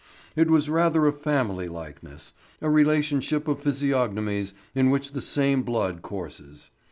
It was rather a family likeness, a relationship of physiognomies in which the same blood courses.